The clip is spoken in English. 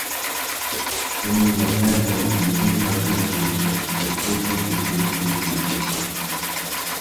Tony Laterza was the team captain for the second consecutive season.